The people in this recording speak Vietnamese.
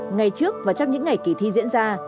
ngày trước và trong những ngày kỳ thi diễn ra